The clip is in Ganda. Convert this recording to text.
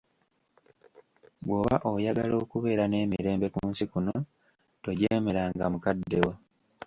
Bw'oba oyagala okubeera n'emirembe ku nsi kuno, tojeemeranga mukaddewo.